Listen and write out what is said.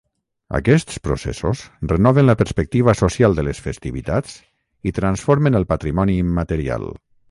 Aquests processos renoven la perspectiva social de les festivitats i transformen el patrimoni immaterial.